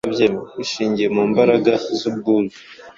Bishingiye mu mbaraga z’ubwuzu.